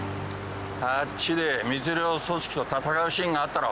あっちで密漁組織と戦うシーンがあったろ。